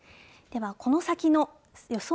ではこの先の予想